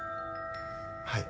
はい。